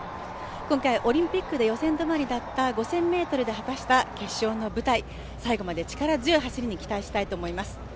今回オリンピックで予選止まりだった５０００ｍで果たした決勝の舞台、最後まで力強い姿に期待したいと思います。